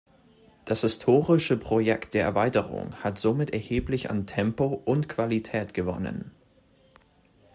Das historische Projekt der Erweiterung hat somit erheblich an Tempo und Qualität gewonnen.